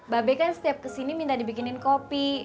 babe kan setiap kesini minta dibikinin kopi